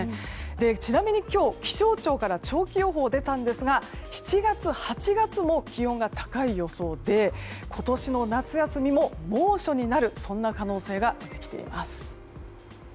ちなみに今日、気象庁から長期予報が出たんですが７月、８月も気温が高い予想で今年の夏休みも猛暑になるそんな可能性が出てきています。